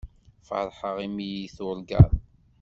Feṛḥeɣ imi iyi-tuṛǧaḍ.